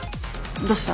どうした？